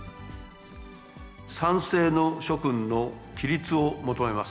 賛成の諸君の起立を求めます。